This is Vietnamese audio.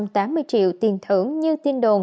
một trăm tám mươi triệu tiền thưởng như tin đồn